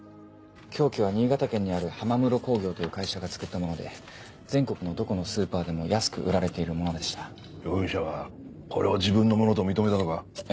凶器は新潟県にある浜室工業という会社が作った物で全国のどこのスーパーでも安く売られている物でした容疑者はこれを自分の物ええ